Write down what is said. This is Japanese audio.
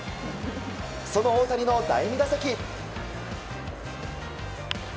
その大谷の第２打席。